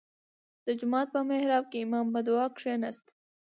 • د جومات په محراب کې امام په دعا کښېناست.